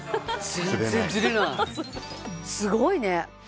すごいね！